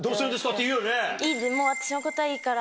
って言うよね。